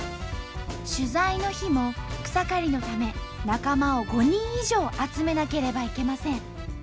取材の日も草刈りのため仲間を５人以上集めなければいけません。